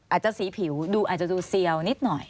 อาจจะสีผิวดูอาจจะดูเซียวนิดหน่อย